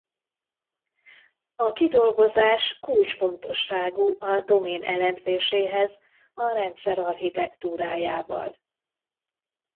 A kidolgozás kulcsfontosságú a domain elemzéséhez a rendszer architektúrájával.